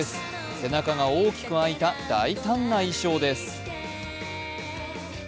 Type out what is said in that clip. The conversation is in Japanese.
背中が大きく開いた大胆な衣装です。